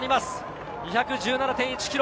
２１７．１ｋｍ。